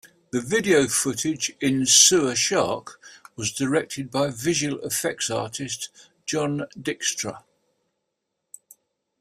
The video footage in "Sewer Shark" was directed by visual effects artist John Dykstra.